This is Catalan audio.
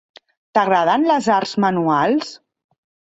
T'agraden les arts manuals?